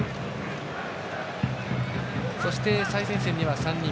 そして最前線には３人。